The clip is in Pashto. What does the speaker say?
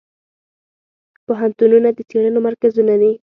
پوهنتونونه د څیړنو مرکزونه دي.